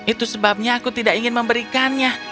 itu sebabnya aku tidak ingin memberikannya